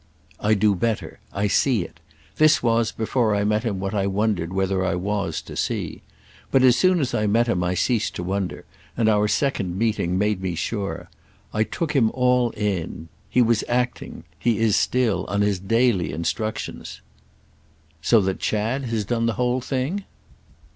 "I do better. I see it. This was, before I met him, what I wondered whether I was to see. But as soon as I met him I ceased to wonder, and our second meeting made me sure. I took him all in. He was acting—he is still—on his daily instructions." "So that Chad has done the whole thing?"